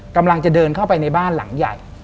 กำลังจะเดินเข้าไปในบ้านหลังใหญ่